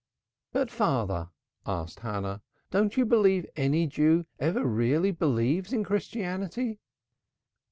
"But, father," asked Hannah, "don't you believe any Jew ever really believes in Christianity?"